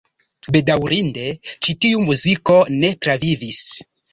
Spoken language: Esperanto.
Bedaŭrinde ĉi tiu muziko ne travivis.